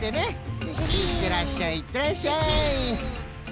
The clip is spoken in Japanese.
いってらっしゃいいってらっしゃい！